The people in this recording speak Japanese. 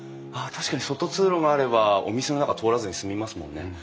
あっ確かに外通路があればお店の中通らずに済みますもんね。